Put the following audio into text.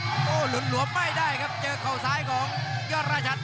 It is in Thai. โอ้โหหลุนหลวมไม่ได้ครับเจอเข้าซ้ายของยอดราชัน